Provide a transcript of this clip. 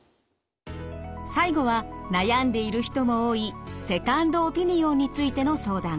最後は悩んでいる人も多いセカンドオピニオンについての相談。